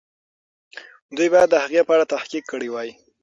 دوی باید د هغې په اړه تحقیق کړی وای.